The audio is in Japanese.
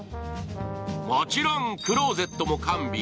もちろんクローゼットも完備。